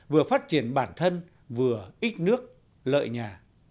vừa phát triển bản thân vừa ít nước lợi nhà